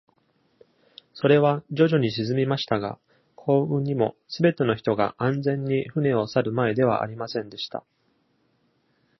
それは徐々に沈みましたが、幸運にもすべての人が安全に船を去る前ではありませんでした。